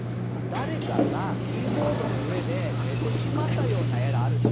誰かが、キーボードの上で寝てしまったようなエラーだと。